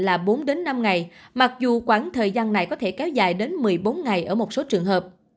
là bốn đến năm ngày mặc dù khoảng thời gian này có thể kéo dài đến một mươi bốn ngày ở một số trường hợp